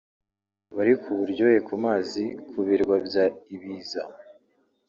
bari ku buryohe ku mazi ku Birwa bya Ibiza